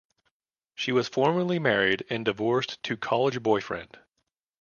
She was formerly married and divorced to college boyfriend.